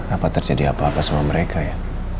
apa terjadi apa apa sama mereka ya